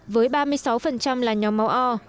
với ba mươi sáu là nhóm máu o